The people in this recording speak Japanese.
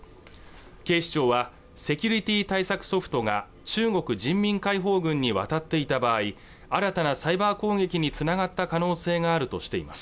警視庁はセキュリティー対策ソフトが中国人民解放軍に渡っていた場合新たなサイバー攻撃につながった可能性があるとしています